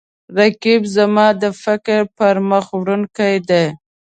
رقیب زما د فکر پرمخ وړونکی دی